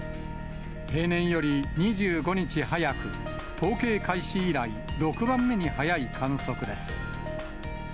平年より２５日早く、統計開始以来６番目に早い観測です。